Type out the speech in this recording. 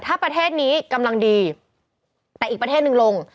ถ้าประเทศนี้กำลังดีแต่อีกประเทศหนึ่งลง